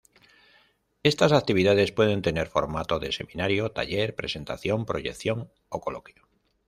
Estas actividades pueden tener formato de seminario, taller, presentación, proyección o coloquio.